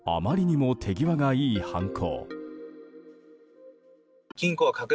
あまりにも手際がいい犯行。